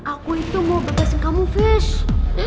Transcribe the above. aku itu mau bebasin kamu fizz